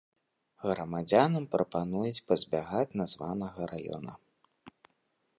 Грамадзянам прапануюць пазбягаць названага раёна.